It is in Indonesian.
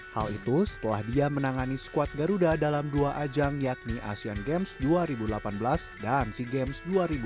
hal itu setelah dia menangani squad garuda dalam dua ajang yakni asean games dua ribu delapan belas dan sea games dua ribu delapan belas